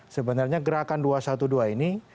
sebenarnya gerakan dua ratus dua belas ini